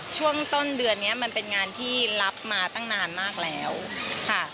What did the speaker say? ช่วงต้นเดือนนี้มันเป็นงานที่รับมาตั้งนานมากแล้วค่ะ